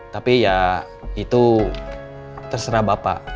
tapi ya itu terserah bapak